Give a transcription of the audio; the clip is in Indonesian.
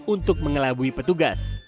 untuk mengelabui petugas